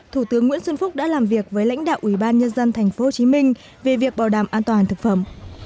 thủ tướng nguyễn xuân phúc đã làm việc với lãnh đạo ủy ban nhân dân tp hcm về việc bảo đảm an toàn thực phẩm